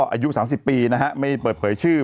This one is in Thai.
อายุ๓๐ปีไม่เปิดถ่วยชื่อ